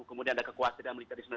kemudian ada kekuasaan militer di sana